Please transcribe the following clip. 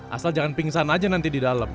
asal jangan pingsan aja nanti di dalam